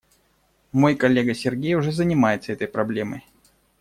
Мой коллега Сергей уже занимается этой проблемой.